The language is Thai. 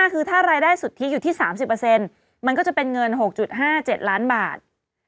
คือถ้ารายได้สุทธิอยู่ที่๓๐มันก็จะเป็นเงิน๖๕๗ล้านบาท